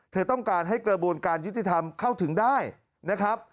เธอต้องการให้กระบวนการยุติธรรมเข้าถึงได้นะครับ